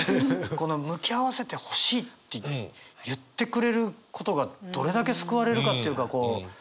この「向き合わせてほしい」って言ってくれることがどれだけ救われるかっていうかこうねっ。